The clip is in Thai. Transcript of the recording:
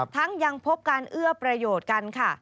ยังพบการเอื้อประโยชน์กันค่ะ